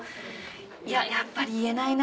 いややっぱり言えないな。